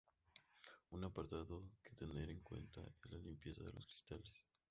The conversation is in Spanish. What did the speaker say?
Un apartado que tener en cuenta es la limpieza de los cristales.